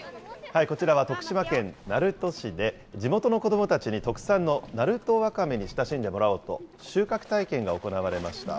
こちらは徳島県鳴門市で、地元の子どもたちに特産の鳴門わかめに親しんでもらおうと、収穫体験が行われました。